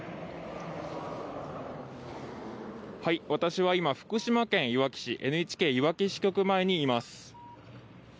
私は今、福島県いわき市、ＮＨＫいわき支局前にいます。